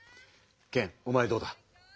ケンおまえどうだ？